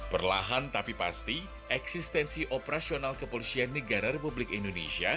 perlahan tapi pasti eksistensi operasional kepolisian negara republik indonesia